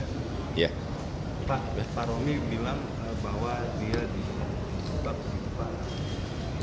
pak romi bilang bahwa dia disebabkan